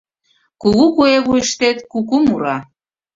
Кугу куэ вуйыштет куку мура.